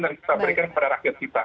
dan kita berikan kepada rakyat kita